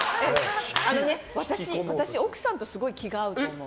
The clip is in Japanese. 私、奥さんとすごい気が合うと思う。